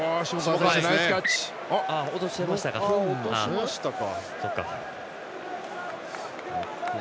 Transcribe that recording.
落としましたか。